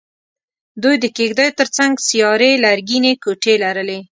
دوی د کېږدیو تر څنګ سیارې لرګینې کوټې لرلې.